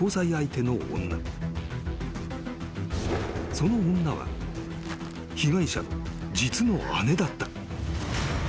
［その女は被害者の実の姉だった］